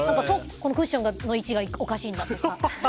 クッションの位置がおかしいんだとか。